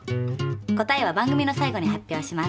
答えは番組の最後に発表します。